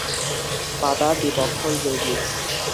পাতা-দ্বিপক্ষল যৌগিক।